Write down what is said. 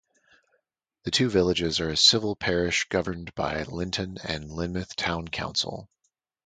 The two villages are a civil parish governed by Lynton and Lynmouth Town Council.